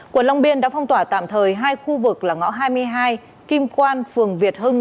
quận long biên đã phong tỏa tạm thời hai khu vực là ngõ hai mươi hai kim quan phường việt hưng